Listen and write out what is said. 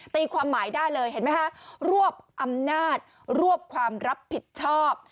ตีความหมายได้เลยเห็นไหมคะรวบอำนาจรวบความรับผิดชอบ